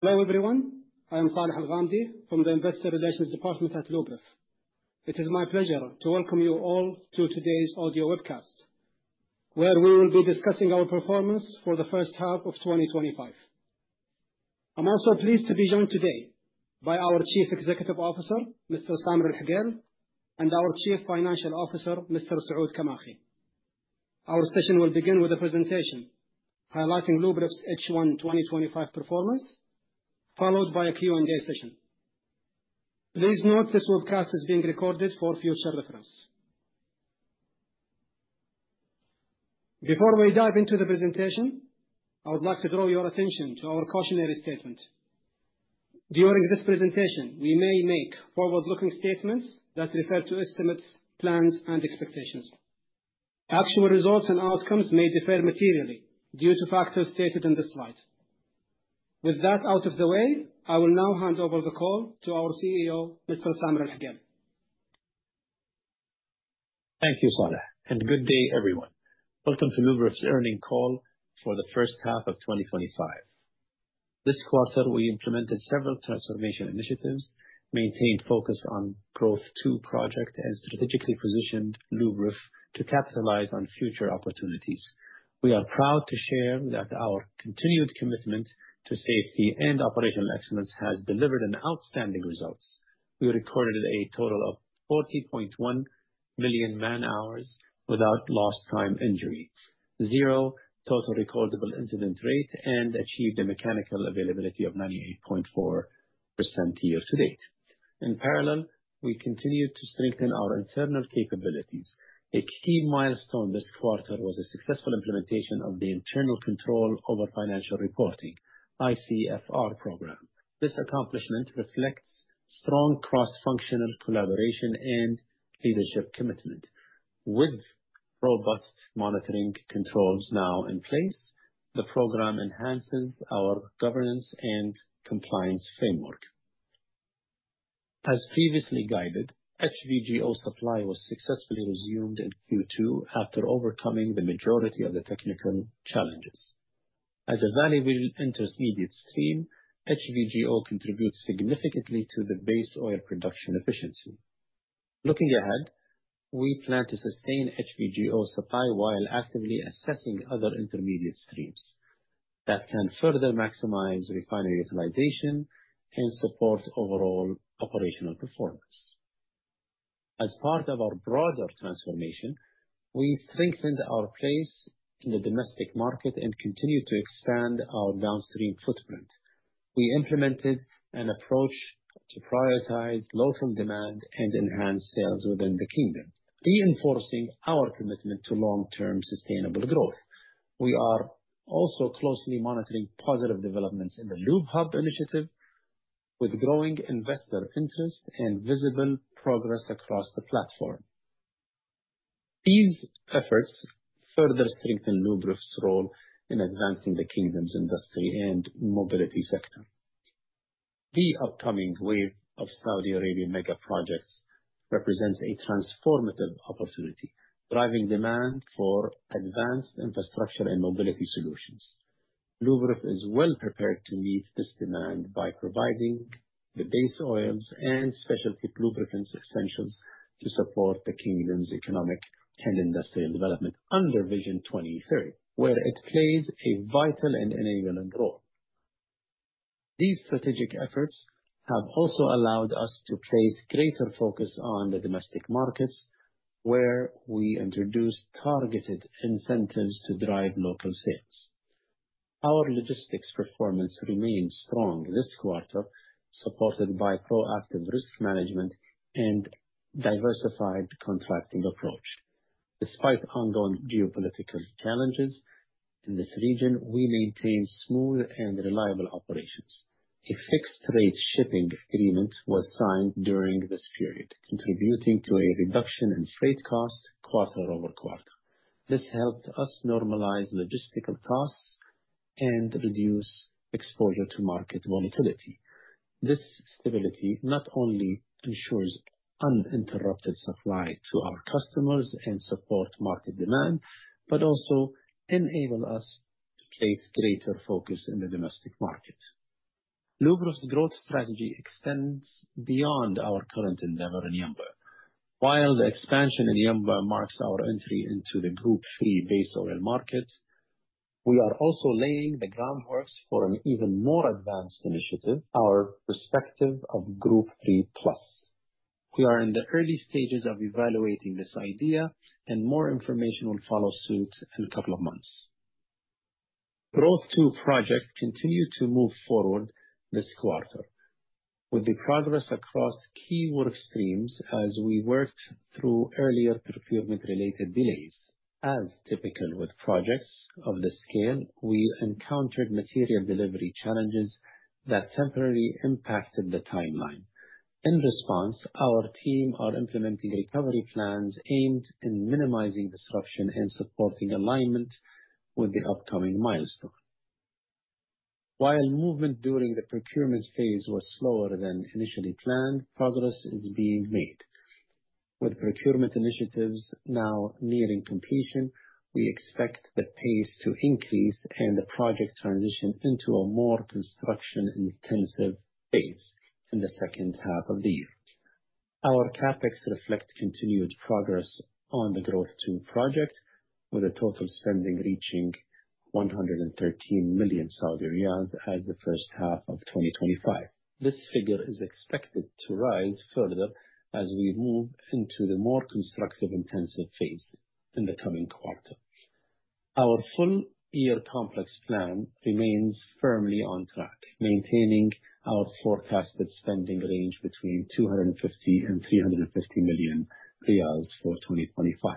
Hello everyone, I am Saleh Alghamdi from the Investor Relations Department at Luberef. It is my pleasure to welcome you all to today's audio webcast, where we will be discussing our performance for the first half of 2025. I'm also pleased to be joined today by our Chief Executive Officer, Mr. Samer Al-Hokail, and our Chief Financial Officer, Mr. Saud Kamakhi Our session will begin with a presentation highlighting Luberef's H1 2025 performance, followed by a Q&A session. Please note this webcast is being recorded for future reference. Before we dive into the presentation, I would like to draw your attention to our cautionary statement. During this presentation, we may make forward-looking statements that refer to estimates, plans, and expectations. Actual results and outcomes may differ materially due to factors stated in this slide. With that out of the way, I will now hand over the call to our CEO, Mr. Samer Al-Hokail. Thank you, Saleh, and good day everyone. Welcome to Luberef's Earnings Call for the First half of 2025. This quarter, we implemented several transformation initiatives, maintained focus on Growth II project, and strategically positioned Luberef to capitalize on future opportunities. We are proud to share that our continued commitment to safety and operational excellence has delivered outstanding results. We recorded a total of 40.1 million man-hours without lost time injury, zero total recordable incident rate, and achieved a mechanical availability of 98.4% year to date. In parallel, we continue to strengthen our internal capabilities. A key milestone this quarter was the successful implementation of the Internal Control over Financial Reporting (ICFR) program. This accomplishment reflects strong cross-functional collaboration and leadership commitment. With robust monitoring controls now in place, the program enhances our governance and compliance framework. As previously guided, HVGO supply was successfully resumed in Q2 after overcoming the majority of the technical challenges. As a valuable intermediate stream, HVGO contributes significantly to the base oil production efficiency. Looking ahead, we plan to sustain HVGO supply while actively assessing other intermediate streams that can further maximize refinery utilization and support overall operational performance. As part of our broader transformation, we strengthened our place in the domestic market and continue to expand our downstream footprint. We implemented an approach to prioritize local demand and enhance sales within the Kingdom, reinforcing our commitment to long-term sustainable growth. We are also closely monitoring positive developments in the LubeHub initiative, with growing investor interest and visible progress across the platform. These efforts further strengthen Luberef's role in advancing the Kingdom's industry and mobility sector. The upcoming wave of Saudi Arabia mega projects represents a transformative opportunity, driving demand for advanced infrastructure and mobility solutions. Luberef is well prepared to meet this demand by providing the base oils and specialty lubricants essentials to support the Kingdom's economic and industrial development under Vision 2030, where it plays a vital and enabling role. These strategic efforts have also allowed us to place greater focus on the domestic markets, where we introduced targeted incentives to drive local sales. Our logistics performance remained strong this quarter, supported by proactive risk management and a diversified contracting approach. Despite ongoing geopolitical challenges in this region, we maintained smooth and reliable operations. A fixed-rate shipping agreement was signed during this period, contributing to a reduction in freight costs quarter-over-quarter. This helped us normalize logistical costs and reduce exposure to market volatility. This stability not only ensures uninterrupted supply to our customers and supports market demand, but also enables us to place greater focus in the domestic market. Luberef's growth strategy extends beyond our current endeavor in Yanbu. While the expansion in Yanbu marks our entry into the Group III base oil market, we are also laying the groundwork for an even more advanced initiative, our prospective Group III+. We are in the early stages of evaluating this idea, and more information will follow suit in a couple of months. Growth II project continues to move forward this quarter, with the progress across key work streams as we worked through earlier procurement-related delays. As typical with projects of this scale, we encountered material delivery challenges that temporarily impacted the timeline. In response, our team is implementing recovery plans aimed at minimizing disruption and supporting alignment with the upcoming milestone. While movement during the procurement phase was slower than initially planned, progress is being made. With procurement initiatives now nearing completion, we expect the pace to increase and the project transition into a more construction-intensive phase in the second half of the year. Our CapEx reflects continued progress on the Growth II project, with total spending reaching 113 million Saudi riyals as of the first half of 2025. This figure is expected to rise further as we move into the more construction-intensive phase in the coming quarter. Our full-year CapEx plan remains firmly on track, maintaining our forecasted spending range between 250 million and 350 million riyals for 2025.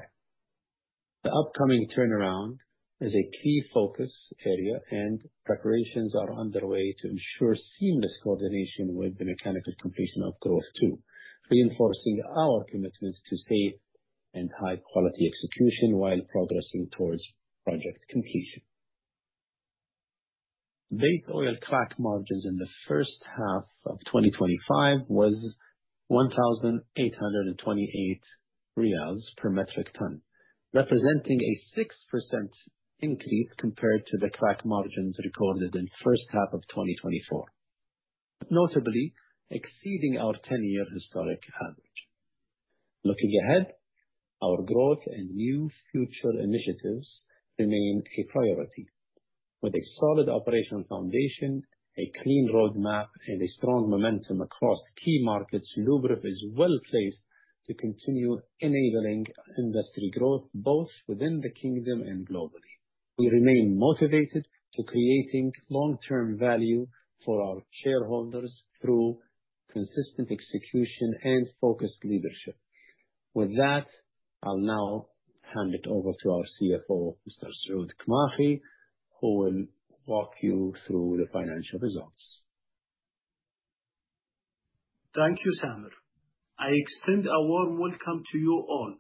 The upcoming turnaround is a key focus area, and preparations are underway to ensure seamless coordination with the mechanical completion of Growth II, reinforcing our commitment to safe and high-quality execution while progressing towards project completion. Base oil crack margins in the first half of 2025 were 1,828 riyals per metric ton, representing a 6% increase compared to the crack margins recorded in the first half of 2024, notably exceeding our 10-year historic average. Looking ahead, our growth and new future initiatives remain a priority. With a solid operational foundation, a clean roadmap, and a strong momentum across key markets, Luberef is well placed to continue enabling industry growth both within the kingdom and globally. We remain motivated to create long-term value for our shareholders through consistent execution and focused leadership. With that, I'll now hand it over to our CFO, Mr. Saud Kamakhi, who will walk you through the financial results. Thank you, Samer. I extend a warm welcome to you all,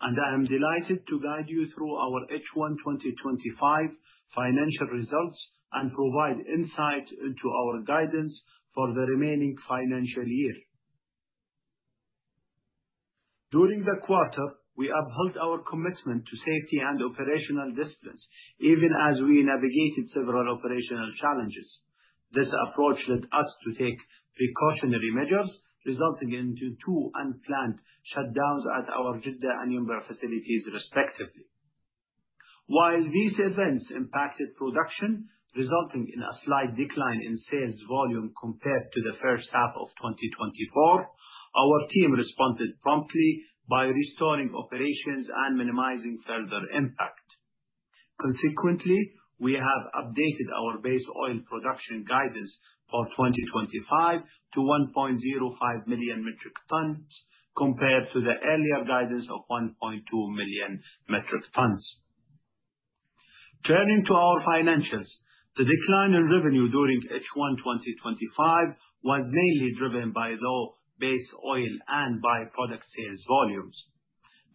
and I am delighted to guide you through our H1 2025 financial results and provide insight into our guidance for the remaining financial year. During the quarter, we upheld our commitment to safety and operational disciplines, even as we navigated several operational challenges. This approach led us to take precautionary measures, resulting in two unplanned shutdowns at our Jeddah and Yanbu facilities, respectively. While these events impacted production, resulting in a slight decline in sales volume compared to the first half of 2024, our team responded promptly by restoring operations and minimizing further impact. Consequently, we have updated our base oil production guidance for 2025 to 1.05 million metric tons, compared to the earlier guidance of 1.2 million metric tons. Turning to our financials, the decline in revenue during H1 2025 was mainly driven by low base oil and byproduct sales volumes.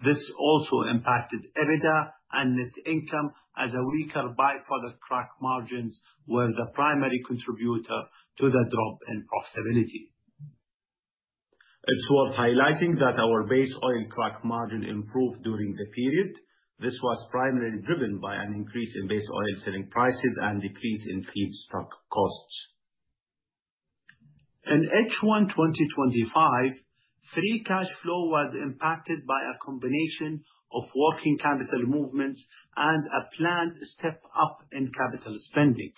This also impacted EBITDA and net income, as weaker byproduct crack margins were the primary contributor to the drop in profitability. It's worth highlighting that our base oil crack margin improved during the period. This was primarily driven by an increase in base oil selling prices and a decrease in feedstock costs. In H1 2025, free cash flow was impacted by a combination of working capital movements and a planned step-up in capital spending.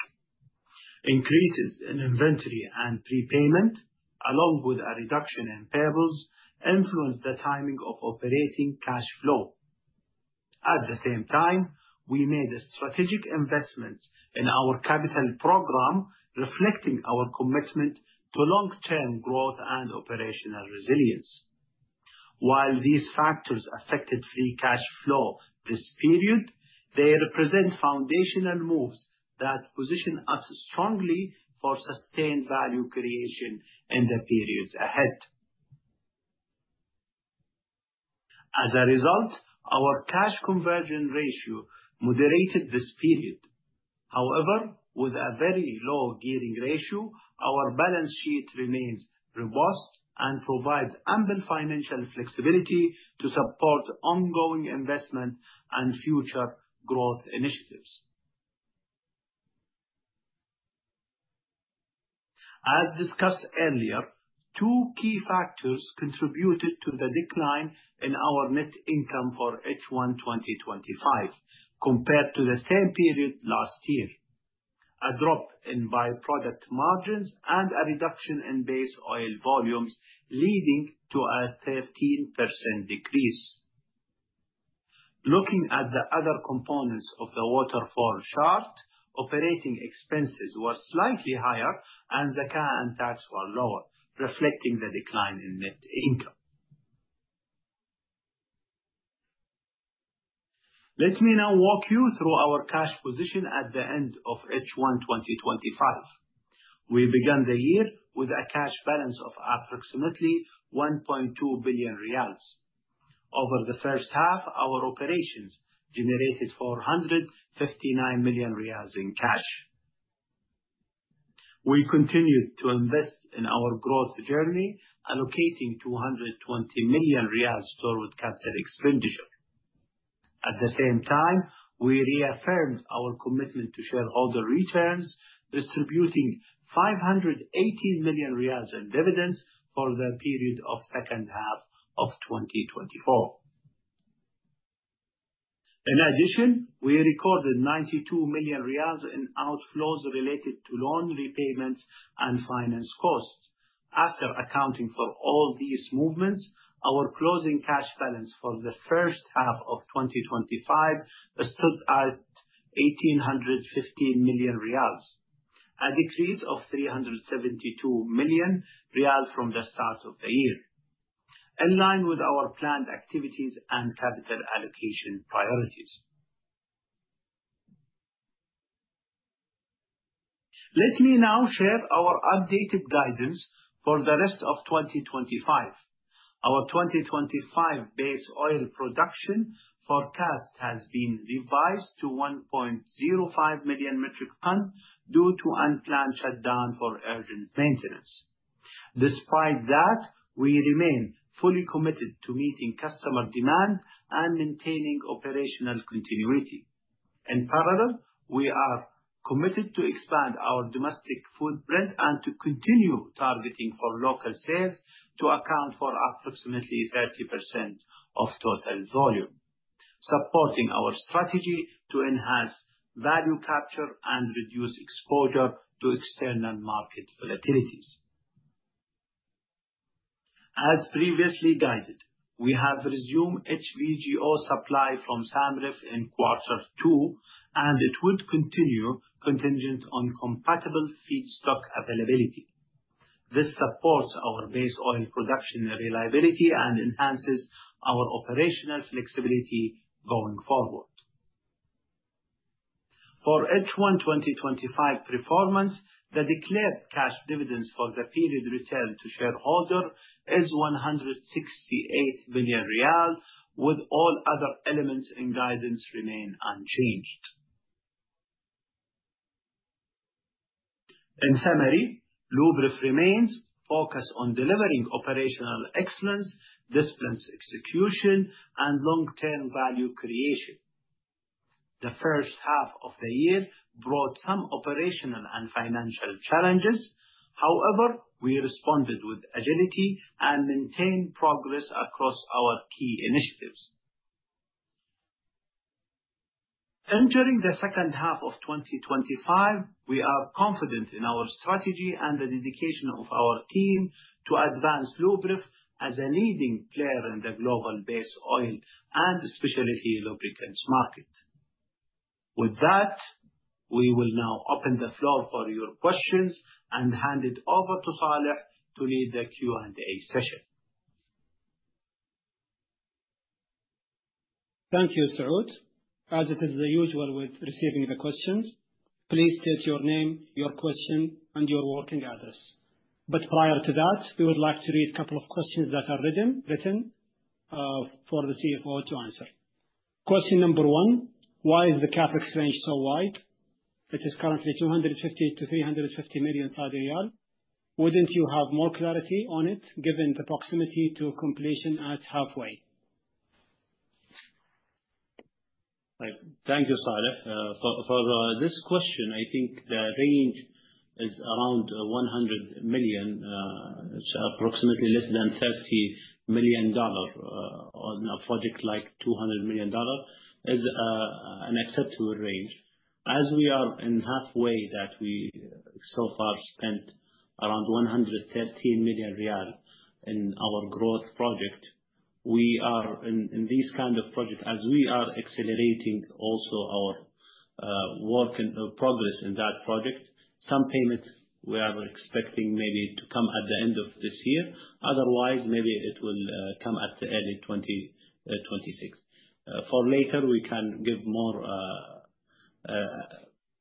Increases in inventory and prepayment, along with a reduction in payables, influenced the timing of operating cash flow. At the same time, we made strategic investments in our capital program, reflecting our commitment to long-term growth and operational resilience. While these factors affected free cash flow this period, they represent foundational moves that position us strongly for sustained value creation in the periods ahead. As a result, our cash conversion ratio moderated this period. However, with a very low gearing ratio, our balance sheet remains robust and provides ample financial flexibility to support ongoing investment and future growth initiatives. As discussed earlier, two key factors contributed to the decline in our net income for H1 2025 compared to the same period last year: a drop in byproduct margins and a reduction in base oil volumes, leading to a 13% decrease. Looking at the other components of the waterfall chart, operating expenses were slightly higher, and the Zakat was lower, reflecting the decline in net income. Let me now walk you through our cash position at the end of H1 2025. We began the year with a cash balance of approximately 1.2 billion riyals. Over the first half, our operations generated 459 million riyals in cash. We continued to invest in our growth journey, allocating 220 million riyals toward capital expenditure. At the same time, we reaffirmed our commitment to shareholder returns, distributing 518 million riyals in dividends for the period of the second half of 2024. In addition, we recorded 92 million riyals in outflows related to loan repayments and finance costs. After accounting for all these movements, our closing cash balance for the first half of 2025 stood at 1,815 million riyals, a decrease of 372 million riyals from the start of the year, in line with our planned activities and capital allocation priorities. Let me now share our updated guidance for the rest of 2025. Our 2025 base oil production forecast has been revised to 1.05 million metric tons due to unplanned shutdowns for urgent maintenance. Despite that, we remain fully committed to meeting customer demand and maintaining operational continuity. In parallel, we are committed to expanding our domestic footprint and to continue targeting for local sales to account for approximately 30% of total volume, supporting our strategy to enhance value capture and reduce exposure to external market volatilities. As previously guided, we have resumed HVGO supply from SAMREF in Q2, and it would continue contingent on compatible feedstock availability. This supports our base oil production reliability and enhances our operational flexibility going forward. For H1 2025 performance, the declared cash dividends for the period distributed to shareholders is 168 million riyal, with all other elements in guidance remaining unchanged. In summary, Luberef remains focused on delivering operational excellence, disciplined execution, and long-term value creation. The first half of the year brought some operational and financial challenges. However, we responded with agility and maintained progress across our key initiatives. Entering the second half of 2025, we are confident in our strategy and the dedication of our team to advance Luberef as a leading player in the global base oil and specialty lubricants market. With that, we will now open the floor for your questions and hand it over to Saleh to lead the Q&A session. Thank you, Saud. As it is the usual with receiving the questions, please state your name, your question, and your working address. But prior to that, we would like to read a couple of questions that are written for the CFO to answer. Question number one: Why is the CapEx range so wide? It is currently 250 million-350 million Saudi riyal. Wouldn't you have more clarity on it, given the proximity to completion at halfway? Thank you, Saleh. For this question, I think the range is around $100 million. It's approximately less than $30 million on a project like $200 million is an acceptable range. As we are in halfway, we so far spent around 113 million riyal in our growth project. In these kinds of projects, as we are accelerating also our work and progress in that project, some payments we are expecting maybe to come at the end of this year. Otherwise, maybe it will come at the end of 2026. For later, we can give a more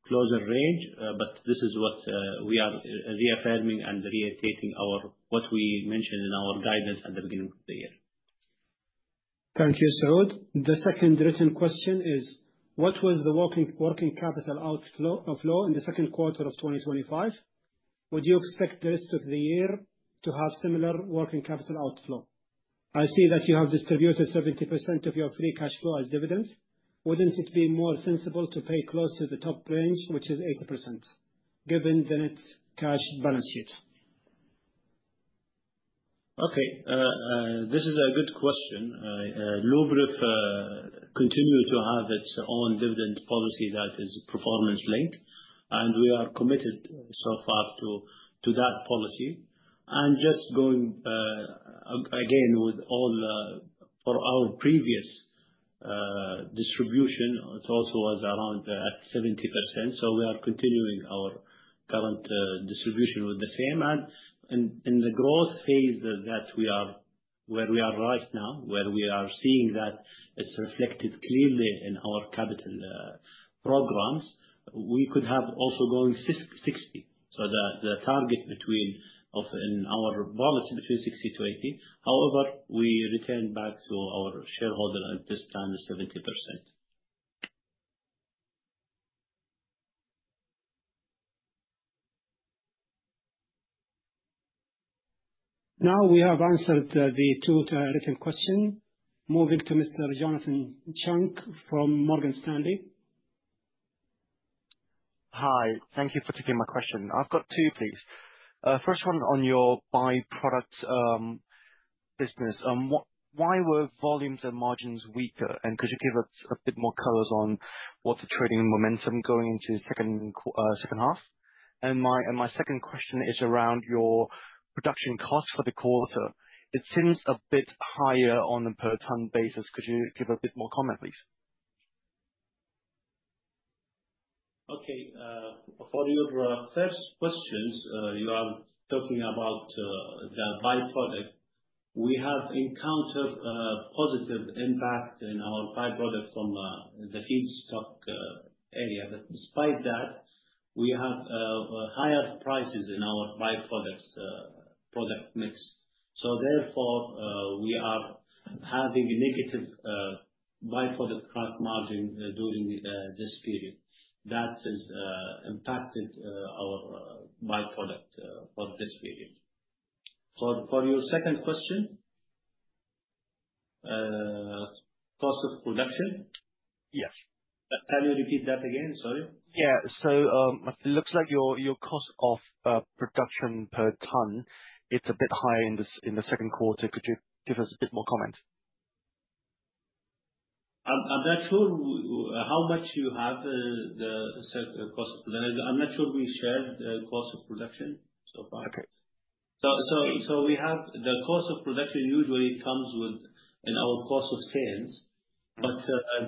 closer range, but this is what we are reaffirming and reiterating what we mentioned in our guidance at the beginning of the year. Thank you, Saud. The second written question is: What was the working capital outflow in the second quarter of 2025? Would you expect the rest of the year to have similar working capital outflow? I see that you have distributed 70% of your free cash flow as dividends. Wouldn't it be more sensible to pay close to the top range, which is 80%, given the net cash balance sheet? Okay. This is a good question. Luberef continues to have its own dividend policy that is performance-linked, and we are committed so far to that policy and just going again with all for our previous distribution, it also was around 70%, so we are continuing our current distribution with the same and in the growth phase that we are where we are right now, where we are seeing that it's reflected clearly in our capital programs, we could have also going 60%, so the target in our policy is between 60% to 80%. However, we returned back to our shareholder at this time of 70%. Now we have answered the two written questions. Moving to Mr. Jonathan Cheung from Morgan Stanley. Hi. Thank you for taking my question. I've got two, please. First one on your byproduct business. Why were volumes and margins weaker? And could you give us a bit more colors on what the trading momentum going into the second half? And my second question is around your production costs for the quarter. It seems a bit higher on a per-ton basis. Could you give a bit more comment, please? Okay. For your first questions, you are talking about the byproduct. We have encountered a positive impact in our byproduct from the feedstock area. But despite that, we have higher prices in our byproduct product mix. So therefore, we are having a negative byproduct crack margin during this period. That has impacted our byproduct for this period. For your second question, cost of production? Yes. Can you repeat that again? Sorry. Yeah. So it looks like your cost of production per ton, it's a bit higher in the second quarter. Could you give us a bit more comment? I'm not sure how much you have the cost of production. I'm not sure we shared the cost of production so far. Okay. We have the cost of production usually comes with our cost of sales, but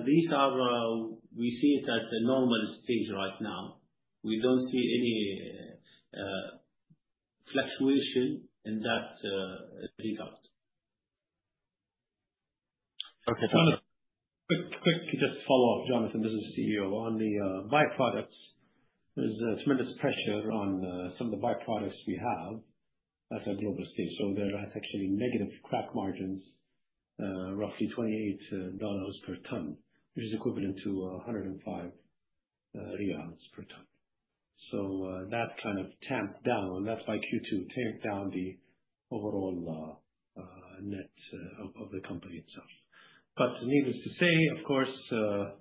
these are we see it at the normal stage right now. We don't see any fluctuation in that regard. Okay. Quick, just follow-up, Jonathan, this is the CEO. On the byproducts, there's tremendous pressure on some of the byproducts we have at a global stage. So there are actually negative crack margins, roughly $28 per ton, which is equivalent to 105 riyals per ton. So that kind of tamped down. That's why Q2 tamped down the overall net of the company itself. But needless to say, of course, the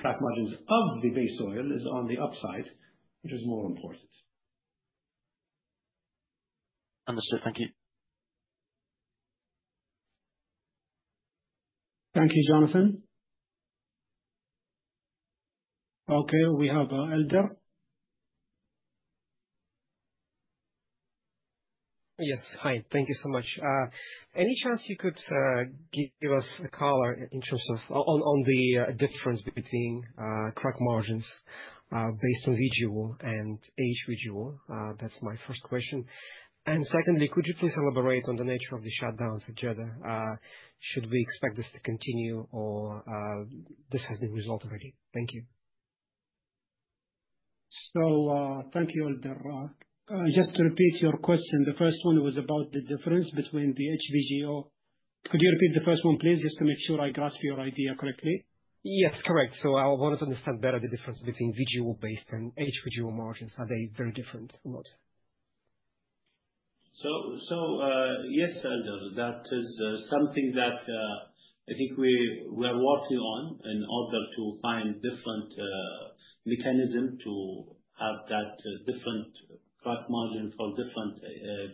crack margins of the base oil are on the upside, which is more important. Understood. Thank you. Thank you, Jonathan. Okay. We have Elder. Yes. Hi. Thank you so much. Any chance you could give us a color in terms of on the difference between crack margins based on VGO and HVGO? That's my first question. And secondly, could you please elaborate on the nature of the shutdowns together? Should we expect this to continue, or this has been resolved already? Thank you. So thank you, Elder. Just to repeat your question, the first one was about the difference between the HVGO. Could you repeat the first one, please, just to make sure I grasp your idea correctly? Yes, correct. So I want to understand better the difference between VGO-based and HVGO margins. Are they very different? So yes, Elder. That is something that I think we are working on in order to find different mechanisms to have that different crack margin for different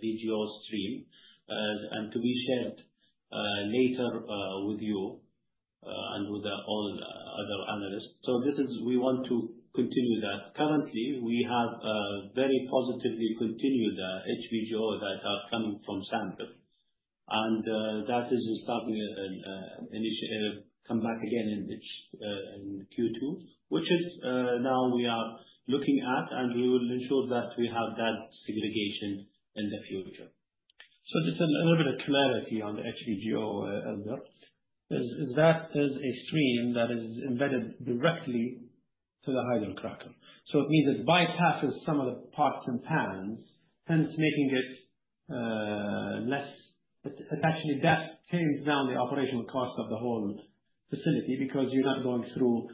VGO stream and to be shared later with you and with all other analysts. So we want to continue that. Currently, we have very positively continued the HVGO that are coming from SAMREF. And that is starting an initiative come back again in Q2, which is now we are looking at, and we will ensure that we have that segregation in the future. So just a little bit of clarity on the HVGO, Elder. That is a stream that is embedded directly to the hydrocracker. So it means it bypasses some of the pots and pans, hence making it less. It actually came down the operational cost of the whole facility because you're not going through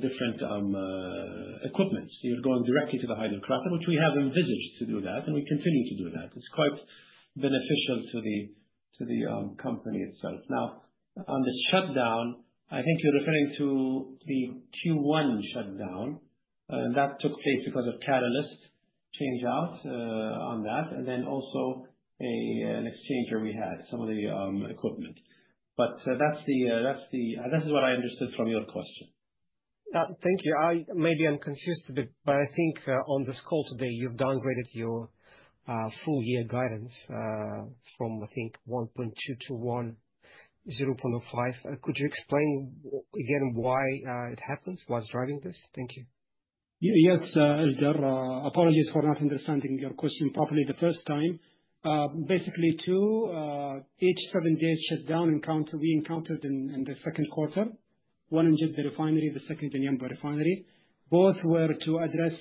different equipment. You're going directly to the hydrocracker, which we have envisaged to do that, and we continue to do that. It's quite beneficial to the company itself. Now, on the shutdown, I think you're referring to the Q1 shutdown, and that took place because of catalyst change-out on that, and then also an exchanger we had, some of the equipment. But that's what I understood from your question. Thank you. Maybe I'm confused a bit, but I think on this call today, you've downgraded your full-year guidance from, I think, 1.221, 0.05. Could you explain again why it happens, what's driving this? Thank you. Yes, Elder. Apologies for not understanding your question properly the first time. Basically, two ESD shutdowns we encountered in the second quarter: one in Jeddah Refinery, the second in Yanbu Refinery. Both were to address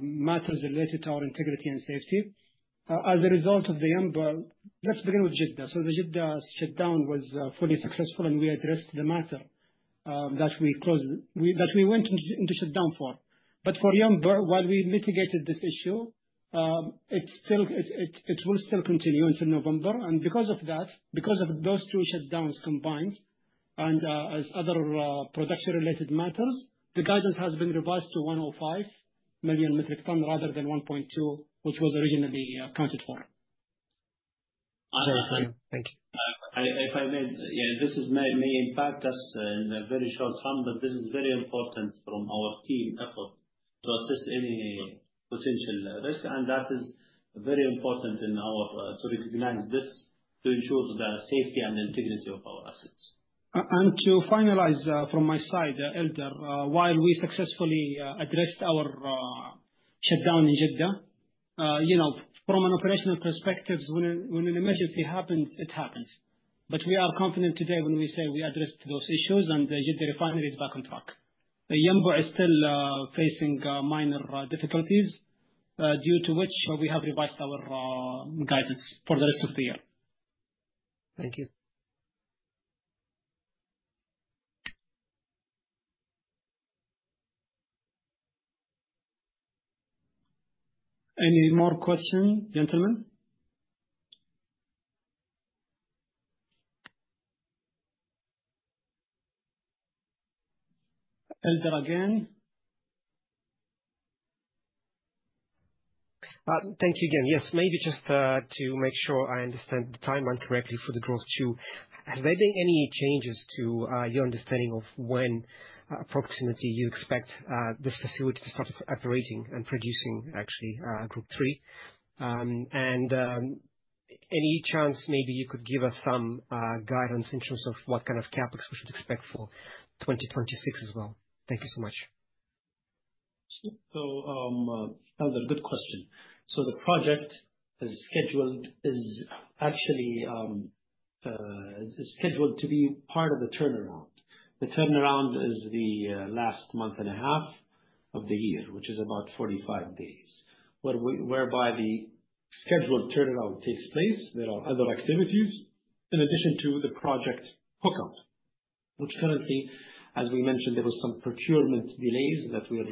matters related to our integrity and safety. As a result of the Yanbu, let's begin with Jeddah so the Jeddah shutdown was fully successful, and we addressed the matter that we went into shutdown for, but for Yanbu, while we mitigated this issue, it will still continue until November, and because of that, because of those two shutdowns combined and other production-related matters, the guidance has been revised to 1.05 million metric tons rather than 1.2, which was originally accounted for. Thank you. If I may, yeah, this may impact us in a very short term, but this is very important from our team effort to assist any potential risk, and that is very important to recognize this to ensure the safety and integrity of our assets. To finalize from my side, Elder, while we successfully addressed our shutdown in Jeddah, from an operational perspective, when an emergency happens, it happens, but we are confident today when we say we addressed those issues, and Jeddah Refinery is back on track. Yanbu is still facing minor difficulties due to which we have revised our guidance for the rest of the year. Thank you. Any more questions, gentlemen? Elder again. Thank you again. Yes, maybe just to make sure I understand the timeline correctly for the Growth II, has there been any changes to your understanding of when approximately you expect this facility to start operating and producing actually Group III? And any chance maybe you could give us some guidance in terms of what kind of CapEx we should expect for 2026 as well? Thank you so much. Elder, good question. The project is actually scheduled to be part of the turnaround. The turnaround is the last month and a half of the year, which is about 45 days, whereby the scheduled turnaround takes place. There are other activities in addition to the project hookup, which currently, as we mentioned, there were some procurement delays that we're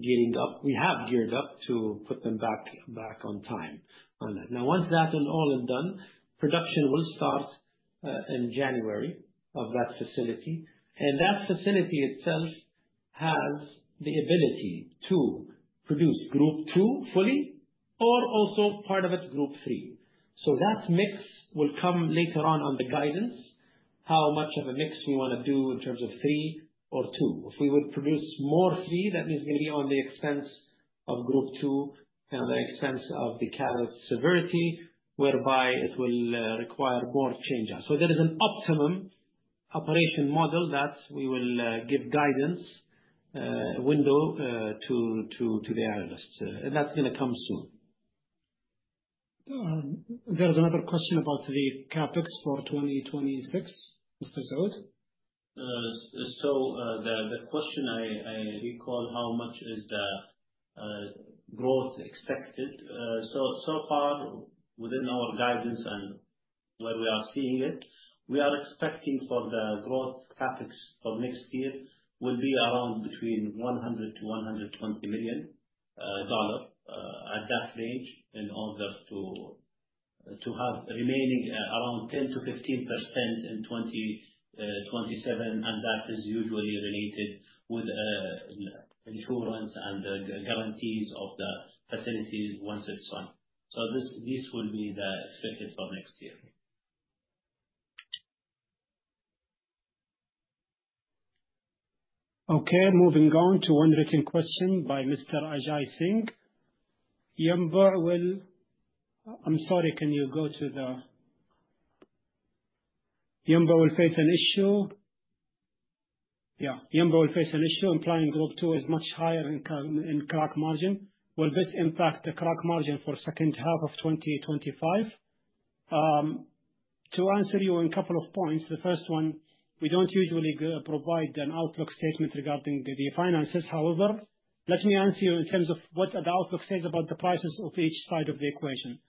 gearing up. We have geared up to put them back on time. Now, once that is all done, production will start in January of that facility. That facility itself has the ability to produce Group II fully or also part of it, Group III. That mix will come later on in the guidance, how much of a mix we want to do in terms of three or two. If we would produce more Group III, that means it's going to be on the expense of Group II and the expense of the catalyst severity, whereby it will require more change-out. So there is an optimum operation model that we will give guidance window to the analysts. And that's going to come soon. There's another question about the CapEx for 2026, Mr. Saud. The question, I recall, how much is the growth expected? So far, within our guidance and where we are seeing it, we are expecting for the growth CapEx for next year will be around between $100 million-$120 million at that range in order to have remaining around 10%-15% in 2027. And that is usually related with insurance and the guarantees of the facilities once it's fine. So these will be the expected for next year. Okay. Moving on to one written question by Mr. Ajay Singh. Yanbu will face an issue. Yeah. Yanbu will face an issue implying Group II is much higher in crack margin. Will this impact the crack margin for the second half of 2025? To answer you in a couple of points, the first one, we don't usually provide an outlook statement regarding the finances. However, let me answer you in terms of what the outlook says about the prices of each side of the equation.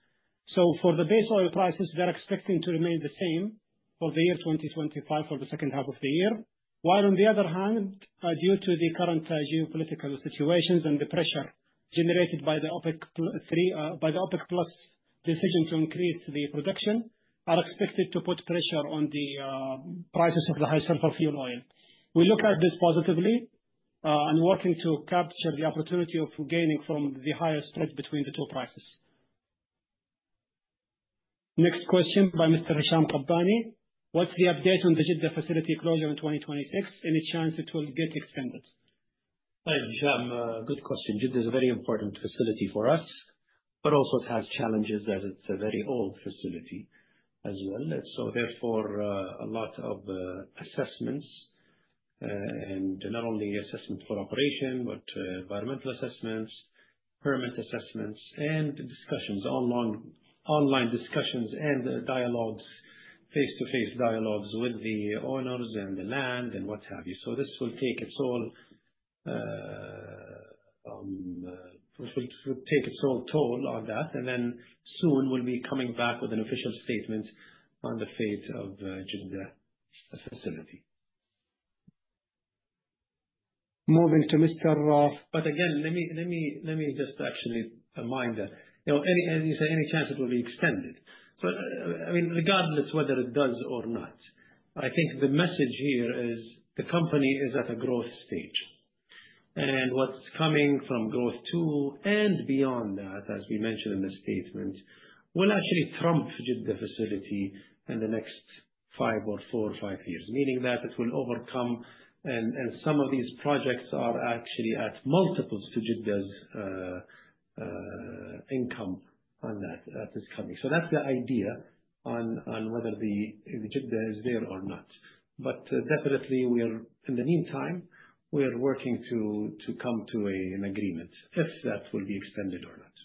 So for the base oil prices, they're expecting to remain the same for the year 2025, for the second half of the year. While on the other hand, due to the current geopolitical situations and the pressure generated by the OPEC+ decision to increase the production, are expected to put pressure on the prices of the high sulfur fuel oil. We look at this positively and working to capture the opportunity of gaining from the higher spread between the two prices. Next question by Mr. Hisham Kabbani. What's the update on the Jeddah facility closure in 2026? Any chance it will get extended? Hi Hisham. Good question. Jeddah is a very important facility for us, but also it has challenges as it's a very old facility as well. So therefore, a lot of assessments, and not only assessment for operation, but environmental assessments, permit assessments, and discussions, online discussions and dialogues, face-to-face dialogues with the owners and the land and what have you. So this will take its own, this will take its own toll on that, and then soon we'll be coming back with an official statement on the fate of Jeddah facility. Moving to Mr. But again, let me just actually remind that, as you say, any chance it will be extended? So I mean, regardless whether it does or not, I think the message here is the company is at a growth stage. And what's coming from Growth II and beyond that, as we mentioned in the statement, will actually trump Jeddah facility in the next five or four or five years, meaning that it will overcome and some of these projects are actually at multiples to Jeddah's income on that that is coming. So that's the idea on whether Jeddah is there or not. But definitely, in the meantime, we are working to come to an agreement if that will be extended or not.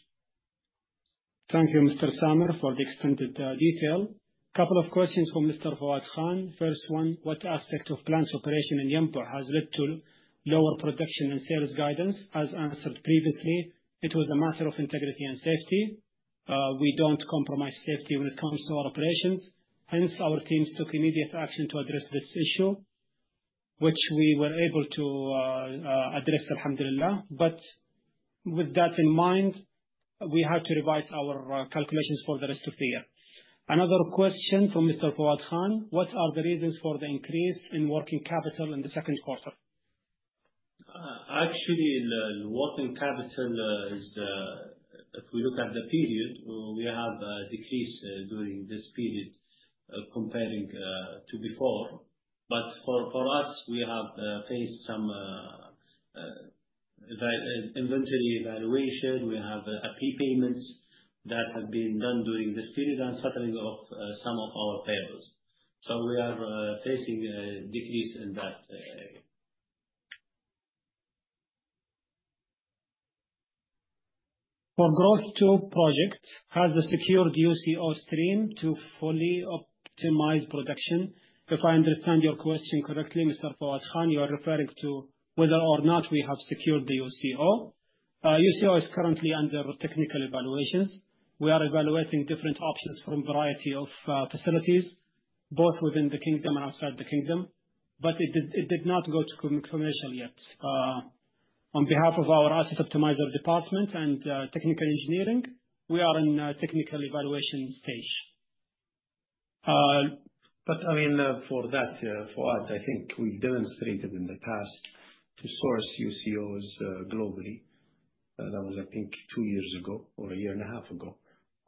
Thank you, Mr. Samer, for the extended detail. A couple of questions from Mr. Fawad Khan. First one, what aspect of plant operation in Yanbu has led to lower production and sales guidance? As answered previously, it was a matter of integrity and safety. We don't compromise safety when it comes to our operations. Hence, our teams took immediate action to address this issue, which we were able to address, Alhamdulillah. But with that in mind, we had to revise our calculations for the rest of the year. Another question from Mr. Fawad Khan. What are the reasons for the increase in working capital in the second quarter? Actually, the working capital is, if we look at the period, we have a decrease during this period comparing to before. But for us, we have faced some inventory valuation. We have AP payments that have been done during this period and settling of some of our payables. So we are facing a decrease in that area. For Growth II project, has the secured UCO stream to fully optimize production? If I understand your question correctly, Mr. Fawad Khan, you are referring to whether or not we have secured the UCO. UCO is currently under technical evaluations. We are evaluating different options from a variety of facilities, both within the kingdom and outside the kingdom. But it did not go to commercial yet. On behalf of our Asset Optimizer Department and Technical Engineering, we are in a technical evaluation stage. But I mean, for that, Fawad, I think we demonstrated in the past to source UCOs globally. That was, I think, two years ago or a year and a half ago.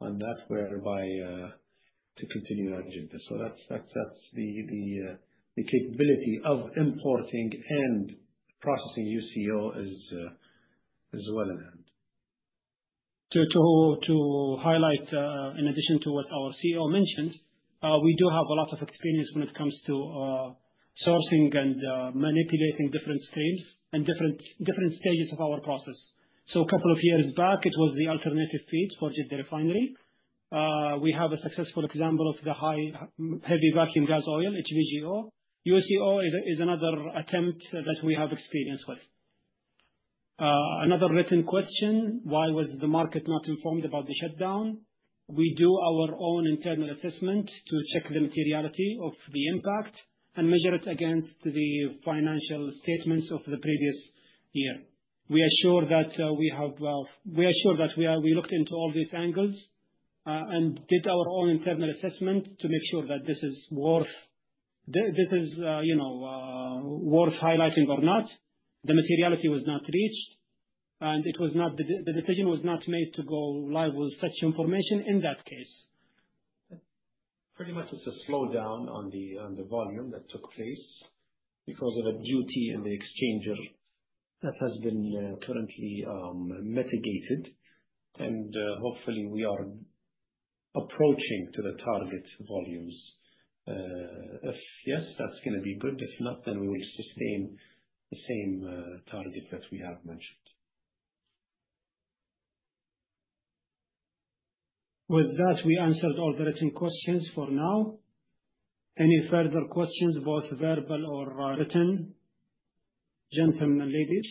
And that's whereby to continue our agenda. So that's the capability of importing and processing UCO is well in hand. To highlight, in addition to what our CEO mentioned, we do have a lot of experience when it comes to sourcing and manipulating different streams and different stages of our process. So a couple of years back, it was the alternative feed for Jeddah Refinery. We have a successful example of the heavy vacuum gas oil, HVGO. UCO is another attempt that we have experience with. Another written question, why was the market not informed about the shutdown? We do our own internal assessment to check the materiality of the impact and measure it against the financial statements of the previous year. We assure that we have, we assure that we looked into all these angles and did our own internal assessment to make sure that this is worth, this is worth highlighting or not. The materiality was not reached, and the decision was not made to go live with such information in that case. Pretty much, it's a slowdown on the volume that took place because of a duty in the exchanger that has been currently mitigated, and hopefully, we are approaching to the target volumes. If yes, that's going to be good. If not, then we will sustain the same target that we have mentioned. With that, we answered all the written questions for now. Any further questions, both verbal or written? Gentlemen and ladies.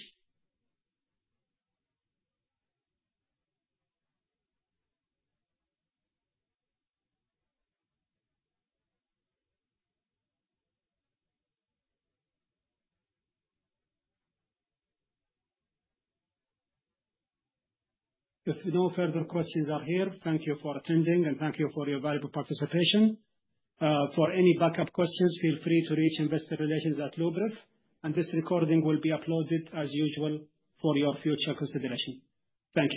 If no further questions are here, thank you for attending and thank you for your valuable participation. For any backup questions, feel free to reach Investor Relations at Luberef, and this recording will be uploaded as usual for your future consideration. Thank you.